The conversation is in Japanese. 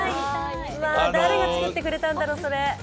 誰が作ってくれたんだろう、それ。